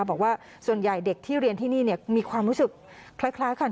บอกว่าส่วนใหญ่เด็กที่เรียนที่นี่มีความรู้สึกคล้ายกัน